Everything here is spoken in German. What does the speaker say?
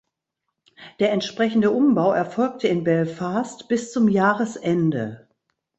Der entsprechende Umbau erfolgte in Belfast bis zum Jahresende.